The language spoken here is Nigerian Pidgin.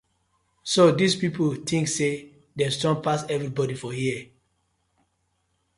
So dis pipu tink say dem strong pass everibodi for here.